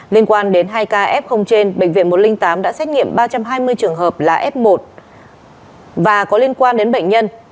liên quan đến hai ca f trên bệnh viện một trăm linh tám đã xét nghiệm ba trăm hai mươi trường hợp là f một và có liên quan đến bệnh nhân